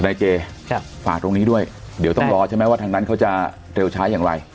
นายเจฝากตรงนี้ด้วยเดี๋ยวต้องรอใช่ไหมว่าทางนั้นเขาจะเร็วช้าอย่างไร